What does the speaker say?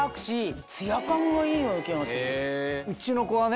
うちの子はね